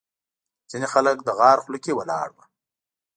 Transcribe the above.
ځینې خلک د غار خوله کې ولاړ وو.